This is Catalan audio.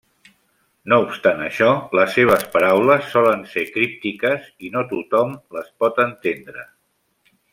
No obstant això, les seves paraules solen ser críptiques i no tothom les pot entendre.